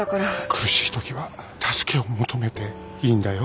苦しい時は助けを求めていいんだよ。